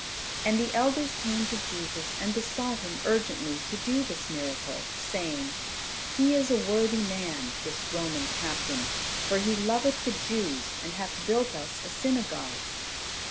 And the elders came to Jesus and besought Him urgently to do this miracle, saying, "He is a worthy man, this Roman captain, for he loveth the Jews and hath built us a synagogue."